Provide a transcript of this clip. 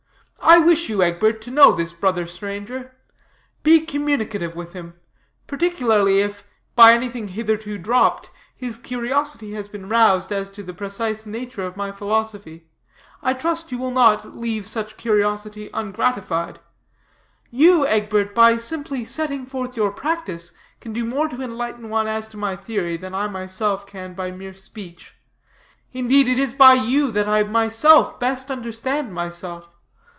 I wish you, Egbert, to know this brother stranger; be communicative with him. Particularly if, by anything hitherto dropped, his curiosity has been roused as to the precise nature of my philosophy, I trust you will not leave such curiosity ungratified. You, Egbert, by simply setting forth your practice, can do more to enlighten one as to my theory, than I myself can by mere speech. Indeed, it is by you that I myself best understand myself.